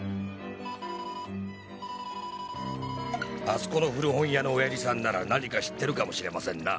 あそこの古本屋の親父さんなら何か知ってるかもしれませんな。